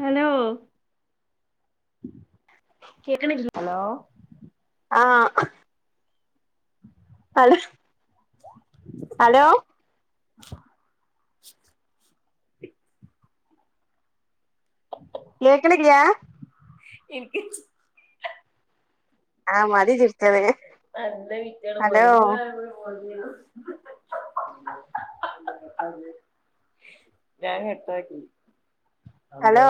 Hello കേക്കണില്ലേ hello ആ [unintelligible] hello [inaudible] കേക്കണില്ലാ ഇൻക്ക് ആ മതി ചിർച്ചത് അല്ല വിറ്റാണ് [unintelligible] ഞാൻ കട്ടാക്കി ഹലോ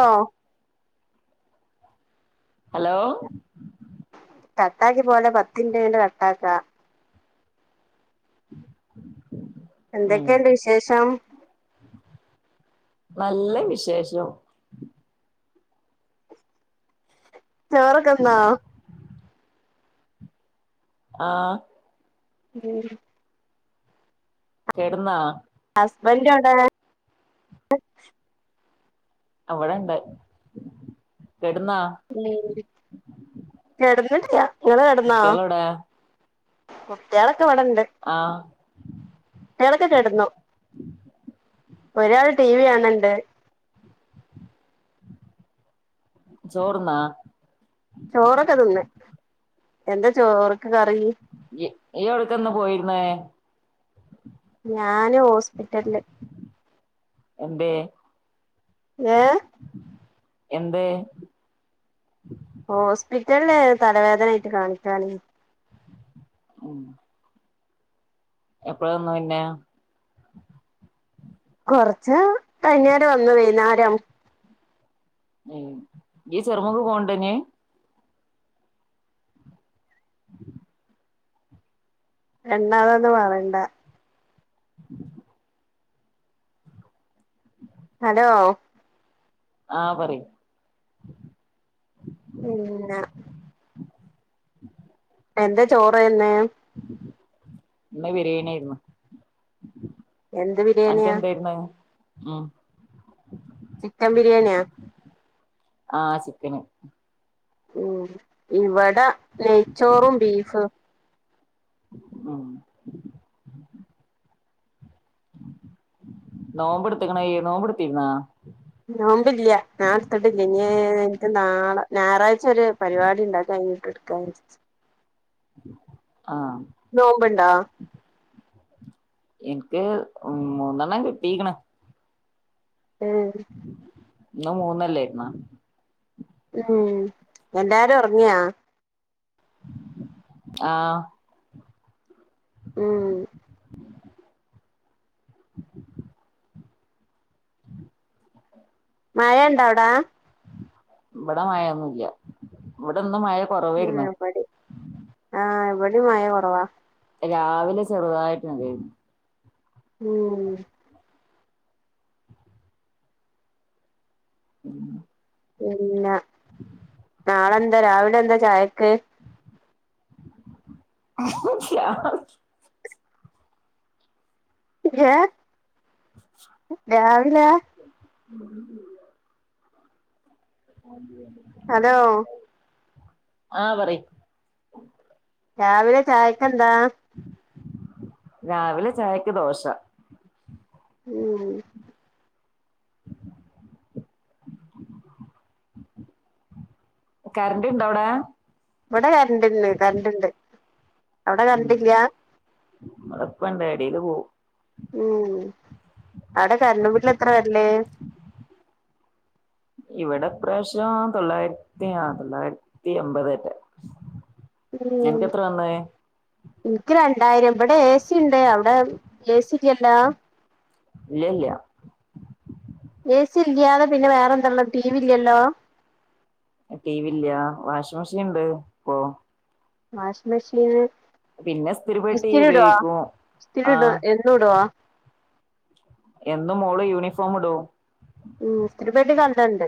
ഹലോ കട്ടാക്കി പോവല്ലെ പത്തിൻറ്റ് കയിഞ്ഞിട്ട് കട്ടാക്കാ [inaudible] ഉം എന്തൊക്കെണ്ട് വിശേഷം നല്ല വിശേഷം ചോറൊക്കെന്നോ ആ ഉം കിടന്നാ ഹസ്ബൻഡോടെ അവിടെണ്ട് കെടന്നാ ഉം കെടന്ന് ഇങ്ങൾ കെടന്നാ കുട്ടികളെവിടെ [unintelligible] വടണ്ട് ആഹ് ട്യാളൊക്കെ കേടന്നു ഒരാൾ ടി വി കാണണ്ട് ചോറ്ന്നാ ചോറൊക്കെ തിന്ന് എന്താ ചോറ് കറി ഇയൊട്ക്കന്ന് പോയിരുന്നേ ഞാന് ഹോസ്പിറ്റലില് എന്തേ ഏ എന്ത് ഹോസ്പിറ്റലിൽ തലവേദന ആയിട്ട് കാണിക്കാന് ഉം എപ്പഴാ വന്നു പിന്നെ കൊറച്ച് കഴിഞ്ഞേരെ വന്നു വൈന്നാരം ഉം ഇയ് ചെറുമുക്ക് പോവ്ണ്ടോ ഇനി [unintelligible] പറയണ്ടാ ഹലോ ആഹ് പറയൂ പിന്ന എന്താ ചോറേന്ന് ഇന്ന് ബിരിയാണിയേരുന്നു എന്ത് ബിരിയാണിയാ ആഹ് ചിക്കൻ ബിരിയാണിയാ ആഹ് ചിക്കന് ഉം ഇവടെ നെയ്ച്ചോറും ബീഫ് ഉം നോമ്പെടുത്ക്ണോ ഇയ് നോമ്പെടുത്തിരുന്നൊ നോമ്പില്ല്യാ ഞാൻ ഇട്ത്തിട്ടില്ല ഇനി ഞാൻ എനിക്ക് നാളെ ഞായറാ ച്ചൊരു പരിപാടി ഉണ്ട് അത് കയ്ഞ് എടുക്കാ വി [inaudible] ആഹ് നോമ്പ് ണ്ടോ എനിക്ക് മൂന്നെണ്ണം കിട്ടീക്ണ് ഉം ഇന്ന് മൂന്നല്ലേരുന്നാ ഉം എല്ലാരും ഉറങ്ങിയാ ആഹ് ഉം മഴ ഇണ്ടോ അവ്ടേ ഇവിടെ മഴയൊന്നുല്ല്യ ഇവിടിന്ന് മഴ ഉം കുറവായിരുന്നു ഇവടിം ആഹ് ഇവ ടിം മഴ കുറവാ രാവിലെ ചെറുതായിട്ട് [unintelligible] ഉം പിന്ന നാളെന്താ രാവിലെ എന്താ ചായക്ക് ഏ രാവില [inaudible] അതോ ആഹ് പറി രാവിലെ ചായക് എന്താ രാവിലെ ചായക്ക് ദോശ ഉം കറണ്ട് ഇണ്ടോ അവിടേ ഇവിടെ കറണ്ട് ഇണ്ട് കറണ്ട് ഇണ്ട് അവിടെ കറന്റില്യാ അടെപ്പ ഇണ്ട് ഇടേൽ പോവും ഉം അവിടെ കരണ്ട് ബില്ല് എത്ര വരല് ഇവിടെ പ്രാവശ്യം തൊള്ളായിരത്തി ആ തൊള്ളായിരത്തി എമ്പത് മറ്റെ ഉം നിനക്ക് എത്ര വന്നത് എനിക്ക് രണ്ടായിരം ഇവിടെ എഏ സി ഉണ്ട് അവിടെ എഏ സി ഇല്ലല്ലോ ഇല്ല ഇല്ല എ സി ഇല്ലാതെ പിന്നെ വേറെ എന്താ ഉള്ളത് ടിവി ഇല്ലല്ലോ ടി വി ഇല്ല വാഷിംഗ് മെഷീൻ ഇണ്ട് ഇപ്പ വാഷ് മിഷീന് പിന്നെ ഇസ്തിരിപ്പെട്ടി ഇസ്ഥിരിടുവാ ഉപയോഗിക്കും ഇസ്ഥരിട ആഹ് എന്നും ഇടുവോ എന്നും മോള് യൂണിഫോം ഇടും ഉ ഇസ്തിരിപ്പെട്ടി കണ്ടണ്ട്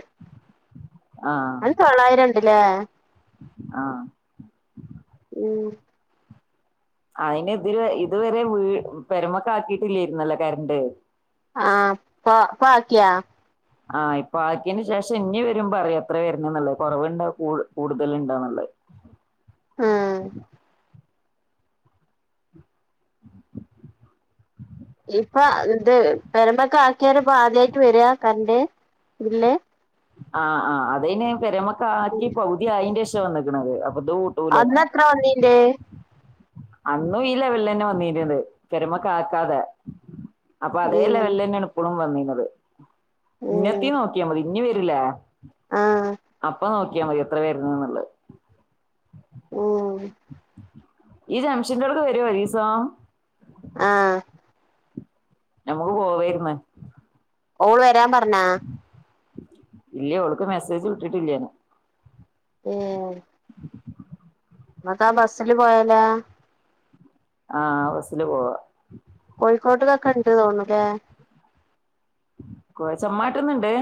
ആഹ് അൻ തൊള്ളായിരംആണ് അല്ലേ ആഹ് ഉം അയിന് ഇതിര് ഇതുവരെ വീ പെരമൊക്കെ ആക്കിട്ടില്ലായിരുന്നല്ലോ കരണ്ട് ആ പ പ്പാക്കിയാ ആഹ് ഇപ്പൊ ആക്കിന് ശേഷം ഇനി വരും മ്പ അറിയാം എത്ര വരണേഎന്നുള്ളത്കുറവുണ്ടോ കൂടുതലുണ്ടോന്നുള്ളത് ആ ഇ അപ്പ ഇത് പെരെമ്പൊക്കെ ആക്കിയാല് ഇപ്പൊ ആദ്യായിട്ട് വരിക കരണ്ട് ഇതില് ആ ആ അതെന്നെ പെരമക്കാക്കി പൗതിആയതിന്റെശേഷം റ്റ് വന്നേക്കണത് അന്നെത്ര വന്നീല് അന്നും ഈ ലെവലിൽ തന്നെ വന്നിരുന്നത് പെരുമ ക്കാക്കാതെ ഉം അപ്പൊഅതേലെവലില് തന്നെയാണ് ഇപ്പോഴും വന്നീന്നത് ഉം ഇങ്ങെത്തീനോക്കിയാൽ മതി ഇനിവരൂല ആഹ് അപ്പനോക്കി യാമതി എത്ര പ ഉം ഈ ജംഷൻകാരോട് വരുവോ വരീസാ ആഹ് നമുക്ക് പോവേര്ന്ന് ഓള് വരാൻ പ പണ്ണാ ഇല്ല അവൾക്ക് മെസ്സേജ് വിട്ടിട്ടില്ല ഉം ന്നട്ടാ ബസ്സില് പോയലാ ആഹ് ബസ്സില് പോവാ കോഴിക്കോട്ട്ലൊക്കെ ഇണ്ട് തോന്നു ലേ പോ ചെമ്മാട്ട്ന്ന് ണ്ട്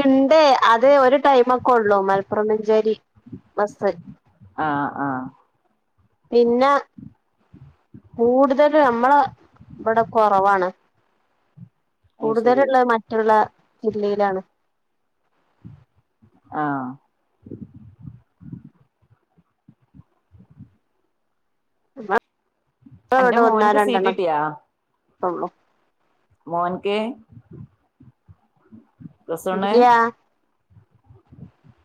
ഇണ്ട് അത് ഒരു ടൈമൊക്കൊള്ളൂ മലപ്പുറം മഞ്ചേരി ബസ്സ്. ആഹ് ആഹ് പിന്നെ കൂടുതല് നമ്മള വടെ കൊറവാണ് അത് ശരി കൂടുതല്ള്ളെ മറ്റുള്ള ജില്ലയിലാണ് ആഹ് നമ്മളെ അന്റെ മോൻക്ക് സീറ്റിട്ട്യാ? ഒള്ളു മോൻക് പ്ലസ് വണ്ണ് ഇല്ല്യാ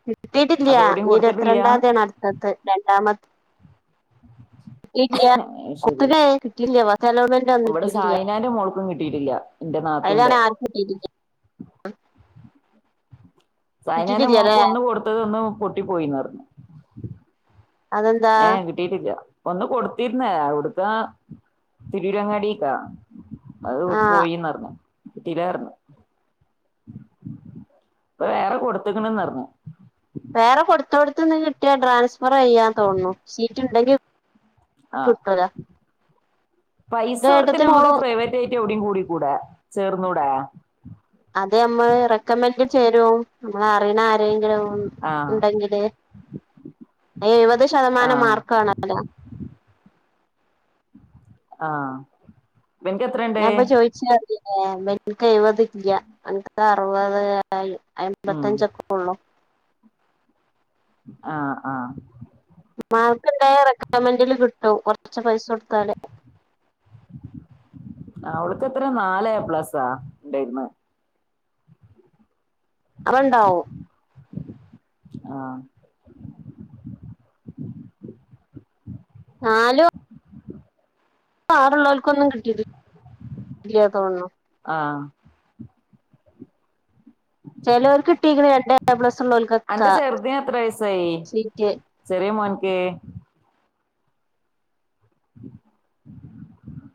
കിട്ടീട്ടില്ല അപ്പൊ എവിടെയും ഞ് കൊടുത്തിട്ടില്ല ഇരുപത്രണ്ടാത്യാണ് അട്ത്തത് രൺ [unintelligible] ഇടിയ [unintelligible] വടെ സായിനാന്റെ മോൾക്കും കിട്ടിട്ടില്ല അതാണെ ആർക്കും കിട്ടിയിട്ടില്ല സൈനേനെ കിട്ടിയിട്ടില്ലല്ലേ മോക്ക് ഒന്ന് കൊടുത്തത് ഒന്ന് പൊട്ടി പോയിന്ന് പറന് അതെന്താ ഏ കിട്ടിട്ടില്ല ഒന്ന് കൊടുത്തിരുന്ന അവിടുത്ത തിരൂരങ്ങാടിക്കാ അത് ആഹ് പോയിന്നറന്നെ കിട്ടിലാർനു ഇപ്പൊ വേറെ കൊടുത്ക്കണന്നറിന് വേറെ കൊട് [unintelligible] ന്ന് കിട്ടിയ ട്രാൻസ് ആ കിട്ടൂല പൈസ എന്റെ കൊടുത്ത് ഏട്ടത്തിന്റെ നമുക്ക് മോള് പ്രൈവറ്റ് ആയിട്ട് എവിടയും കൂടി കൂടേ ചേർന്നൂടേ അതെ അമ്മ റെക്കമെന്ഡ് ചേരും അറിയണ ആരെങ്കിലും ആഹ് ഉണ്ടെങ്കില് അ എഴുപത് ശതമാനം ആഹ് മാർക്ക് വേ ണല്ലോ ആ ഞാൻ പ്പൊ ചോയിച്ച ഏനിക്ക് എഴുപതില്ല എനക്ക് അറുപത് ഉം അയ്മ്പത്തഞ്ചൊക്കെ ഉള്ളൂ ആഹ ആഹ മാർക്ക് ഇണ്ടായ റെക്കമെന്റില് കിട്ടും കൊ ർച്ച് പൈസ കൊടുത്താല് ആ അവൾ ക്കെത്ര നാല എ പ്ലസ്സാ ഉണ്ടായിന്ന് അവണ്ടാവും ആ നാലോ [unintelligible] ഉള്ളോൽക്കൊന്നും കിട്ടീട്ടില്ല തോ ആഹ് ചെലവർക്ക് കിട്ടീക്ക്ണ് രണ്ടേ [unintelligible] അന്റെ ചെറുതിന് എത്ര വയസായി സീറ്റ് ചെറിയ മോൻ ക്ക്‌ ഉ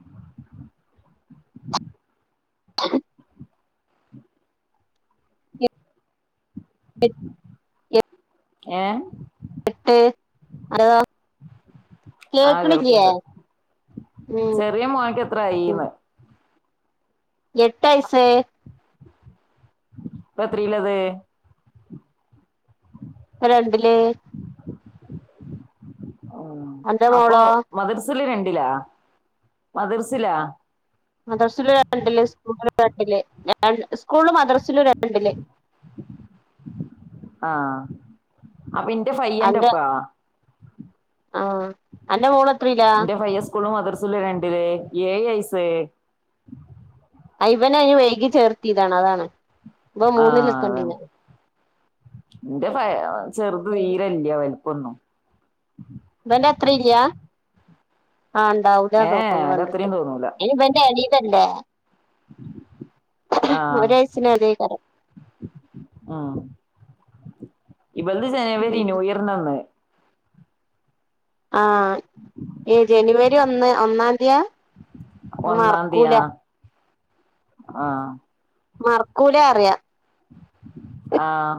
[inaudible] എ ഏ എട്ട് അന്റതോ ആഹ കേൾക്കണ്ട് ഉം ചെറിയ മോന്ക് എത്ര ആയിന്ന് എട്ടയസ്സ് ഇപ്പോ എത്രീലത് രണ്ടില് [inaudible] ഉം അന്റെ അപ്പൊ മോളോ മദർസൽ രണ്ട് ട്ട മദർസിലാ മദ്രസ്സ്ല് രണ്ട്ല് സ്കൂ രണ്ടില് സ്കൂൾലും മദ്രസിലും രണ്ടില് ആഹ അപ്പ എന്റെ ഫയ്യന്റെപ്പാ ആ അന്റെ മോള എത്രീലാ ഇന്റെ ഫയ്യൻ സ്കൂളിലും മദ്രസിലും രണ്ടില് ഏഴ് വയസ് അയ് വന അന് വൈകി ചേർത്തിതാണ് അതാണ് ഇവൻ ആഹ അതെ മൂന്നിലെത്തണ്ടീന് എന്റെ ഫ ചെറുത് തീരല്ല അവന് കൊന്നു വെന്റെ അത്രില്യാ ആ ഇണ്ടാവൂല ഏഹ് തോന്നുണു ഓന്റെ കണ്ട്ട്ട് അത്രയും തോന്നൂല ഈ ഇബാന്റെ എളിതല്ലേ ആഹ് ഒരാഴച്ചന് [unintelligible] ഇവളത് ജനുവരി ന്യൂയറിന്റെ അന്ന് ആ ഈ ജനുവരി ഒന്ന് ഒന്നാംന്തിയ ഒന്നാന്തിയാ ആഹ മറക്കൂലാറിയാ ആഹ്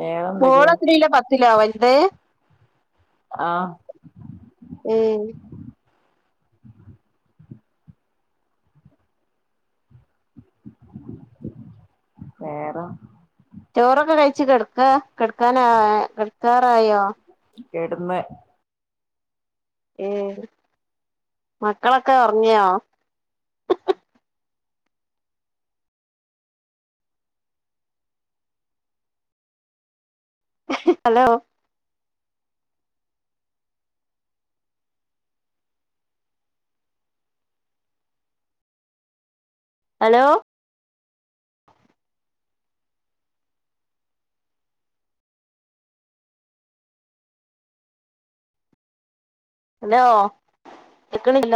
വേറെന്തൊക്കെ ഓളെത്രയിലല പത്തില വൽത് ആഹ ഉം വേറെ ചോറൊക്കെ കഴിച്കെട്ക്ക കെടക്കാനാ കെടക്കാറായോ കെട്ന്ന് ഏ മക്കളൊക്കെ ഒർങ്ങിയോ ഹ് ഹ് ഹലോ ഹലോ അലോ കേക്ക്ണില്ല